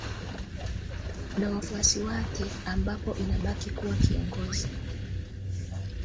na wafuasi wake ambapo anabaki kuwa kiongozi